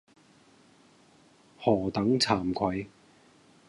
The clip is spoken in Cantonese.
何等慚愧。